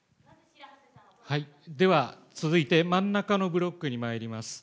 では、続いて真ん中のブロックにまいります。